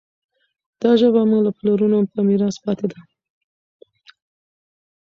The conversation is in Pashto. دا ژبه مو له پلرونو په میراث پاتې ده.